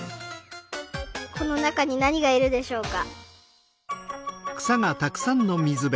このなかになにがいるでしょうか？